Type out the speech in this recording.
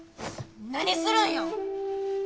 何するんよ！